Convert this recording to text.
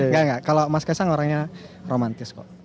gak gak kalau mas kaisang orangnya romantis kok